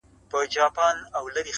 شل او دېرش کاله پخوا یې ښخولم،